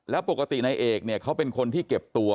แล้วปกตินายเอกเนี่ยเขาเป็นคนที่เก็บตัว